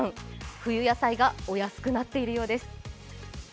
冬野菜がお安くなっているようです。